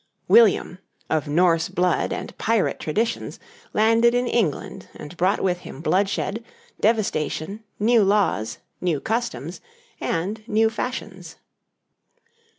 William, of Norse blood and pirate traditions, landed in England, and brought with him bloodshed, devastation, new laws, new customs, and new fashions.